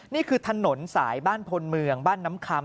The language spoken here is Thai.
นี่คือถนนสายบ้านพลเมืองบ้านน้ำคำ